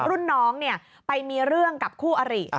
รุ่นน้องไปมีเรื่องกับคู่อริ